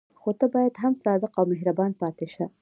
خو ته بیا هم صادق او مهربان پاتې شه.